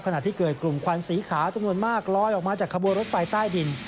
ขณะที่เกิดกลุ่มควันสีขาวจำนวนมากลอยออกมาจากขบวนรถไฟใต้ดิน